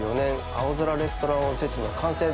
青空レストランおせちの完成です。